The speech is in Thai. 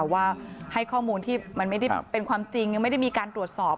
ว่าให้ข้อมูลที่มันไม่ได้เป็นความจริงยังไม่ได้มีการตรวจสอบ